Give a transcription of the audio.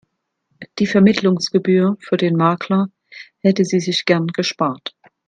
Die Vermittlungsgebühr für den Makler hätte sie sich gerne gespart.